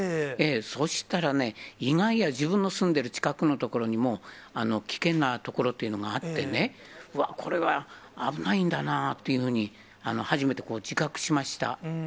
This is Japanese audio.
そしたらね、意外や、自分の住んでる近くの所にも、危険な所というのがあってね、これは危ないんだなっていうふうに初めて自覚しました。